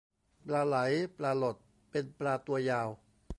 ปลาไหล ปลาหลด เป็นปลาตัวยาว